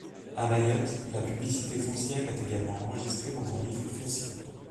À Mayotte, la publicité foncière est également enregistrée dans un livre foncier.